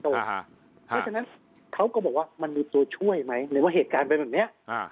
เพราะฉะนั้นเขาก็บอกว่ามันมีตัวช่วยไหมหรือว่าเหตุการณ์เป็นแบบนี้